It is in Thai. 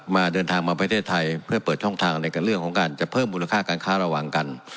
เดินทางมาประเทศไทยเพื่อเปิดช่องทางอะไรกับเรื่องของการจะเพิ่มมูลค่าการค้าระวังกัน